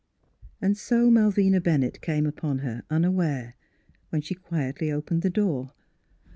And so Malvina Bennett came upon her, unaware, when she quietly opened the door.